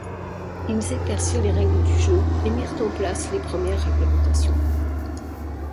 Ils éclaircirent les règles du jeu et mirent en place les premières réglementations.